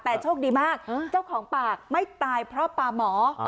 แต่โชคดีมากเจ้าของปากไม่ตายเพราะปลาหมอ